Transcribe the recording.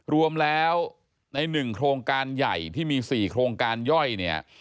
รวมแล้วใน๑โครงการใหญ่ที่มี๔โครงการย่อยเนี่ย